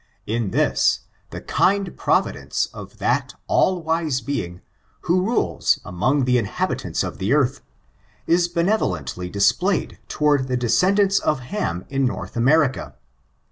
In this, the kind Providence of that all wise Being, who rules ':'': I I I I ' 412 ORIGIN, CHARACTER, AND , among the inhabitants of the earth, is benevolently displayed toward the descendants of Ham in North America.